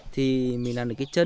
thì mình làm được cái chân